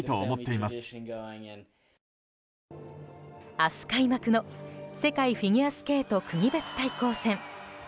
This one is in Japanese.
明日開幕の世界フィギュアスケート国別対抗戦。